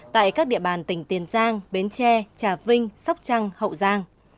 tại các địa bàn tỉnh tiền giang bến tre trà vinh sóc trăng hậu giang